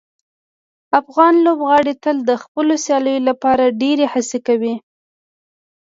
افغان لوبغاړي تل د خپلو سیالیو لپاره ډیرې هڅې کوي.